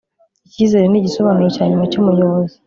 icyizere ni igisobanuro cyanyuma cy'umuyobozi